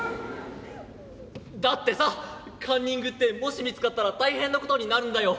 「だってさカンニングってもし見つかったら大変なことになるんだよ。